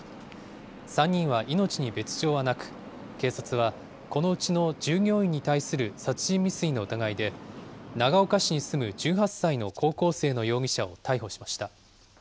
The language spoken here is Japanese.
３人は命に別状はなく、警察はこのうちの従業員に対する殺人未遂の疑いで、長岡市に住む１８歳の高校生の容疑者を逮捕しました。